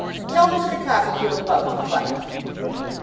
'Tell Mr. Copperfield about the flight.